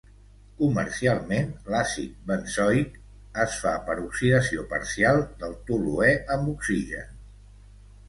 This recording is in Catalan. Comercialment l'àcid benzoic es fa per oxidació parcial del toluè amb oxigen.